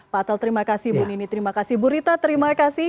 pak atal terima kasih bu nini terima kasih bu rita terima kasih